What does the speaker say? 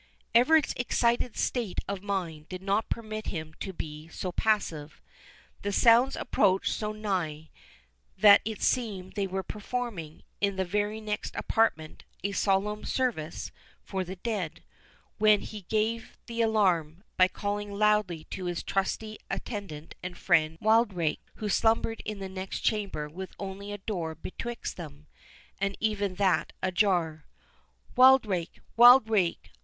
Everard's excited state of mind did not permit him to be so passive. The sounds approached so nigh, that it seemed they were performing, in the very next apartment, a solemn service for the dead, when he gave the alarm, by calling loudly to his trusty attendant and friend Wildrake, who slumbered in the next chamber with only a door betwixt them, and even that ajar. "Wildrake—Wildrake!